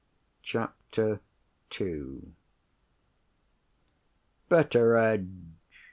CHAPTER II "Betteredge!"